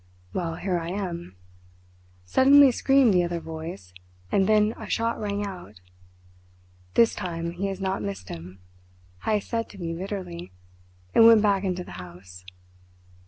"'Well, here I am,' suddenly screamed the other voice, and then a shot rang out. "'This time he has not missed him,' Heyst said to me bitterly, and went back into the house.